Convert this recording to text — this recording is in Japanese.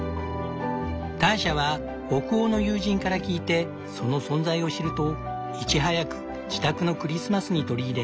ターシャは北欧の友人から聞いてその存在を知るといち早く自宅のクリスマスに取り入れ